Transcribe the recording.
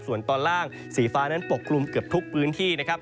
ส่วนตอนล่างสีฟ้านั้นปกคลุมเกือบทุกพื้นที่นะครับ